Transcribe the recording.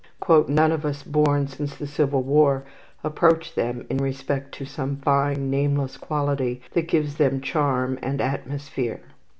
"None of us born since the Civil War approach them in respect to some fine, nameless quality that gives them charm and atmosphere."